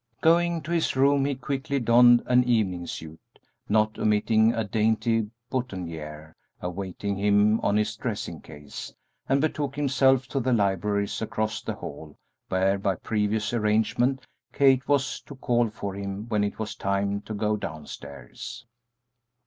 Going to his room, he quickly donned an evening suit, not omitting a dainty boutonnière awaiting him on his dressing case, and betook himself to the libraries across the hall, where, by previous arrangement, Kate was to call for him when it was time to go downstairs.